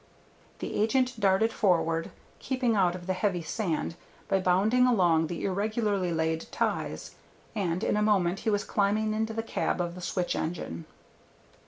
The agent darted forward, keeping out of the heavy sand by bounding along the irregularly laid ties, and in a moment he was climbing into the cab of the switch engine.